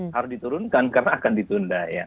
harus diturunkan karena akan ditunda ya